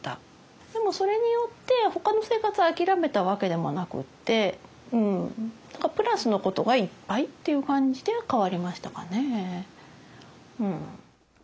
でもそれによってほかの生活を諦めたわけでもなくってうんプラスのことがいっぱいっていう感じで変わりましたかね。